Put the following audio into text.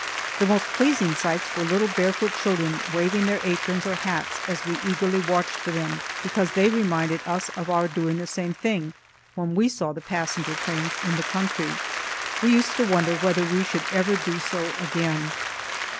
The most pleasing sights were little barefoot children waving their aprons or hats as we eagerly watched for them, because that reminded us of our doing the same thing when we saw the passenger trains, in the country. We used to wonder whether we should ever do so again.